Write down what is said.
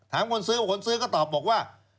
คนซื้อคนซื้อก็ตอบบอกว่า